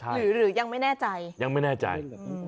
หรือยังไม่แน่ใจ